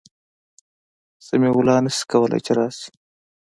سمیع الله نسي کولای چي راسي